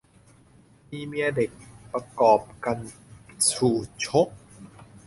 มีเมียเด็ก ประกอบกัณฑ์ชูชก